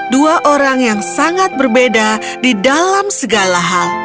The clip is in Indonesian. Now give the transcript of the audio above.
dua orang yang sangat berbeda di dalam segala hal